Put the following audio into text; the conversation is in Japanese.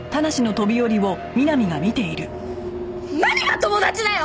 何が友達だよ！